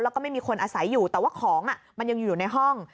แล้วก็ไม่มีคนอาศัยอยู่แต่ว่าของมันยังอยู่ในห้อง